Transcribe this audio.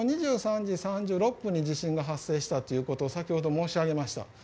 ２３時３６分に地震が発生したということを先ほど申し上げました。